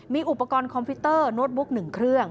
มีอุปกรณ์คอมพิวเตอร์โน้ตบุ๊ก๑เครื่อง